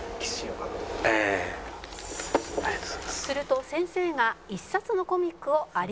「すると先生が１冊のコミックを有吉さんに」